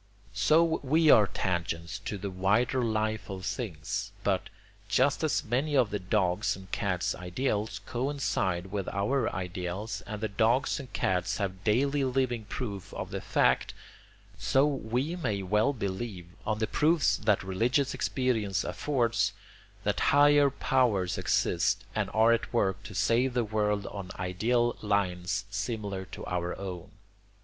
So we are tangents to the wider life of things. But, just as many of the dog's and cat's ideals coincide with our ideals, and the dogs and cats have daily living proof of the fact, so we may well believe, on the proofs that religious experience affords, that higher powers exist and are at work to save the world on ideal lines similar to our own.